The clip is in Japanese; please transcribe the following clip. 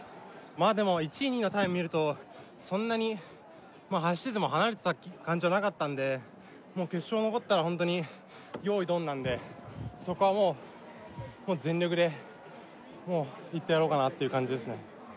まあでも１位２位のタイム見るとそんなに走ってても離れてた感じじゃなかったんでもう決勝残ったらホントによーいドンなんでそこはもうもう全力でもういってやろうかなっていう感じですね